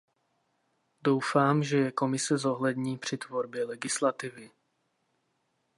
Doufám, že je Komise zohlední při tvorbě legislativy.